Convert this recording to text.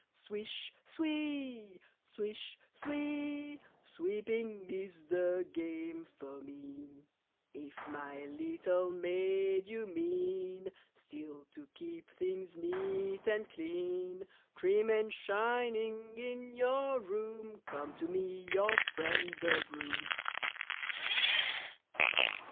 Swish, swee! swish, swee! Sweeping is the game for me! If, my little maid, you mean Still to keep things neat and clean, Trim and shining in your room, Come to me, your friend the Broom!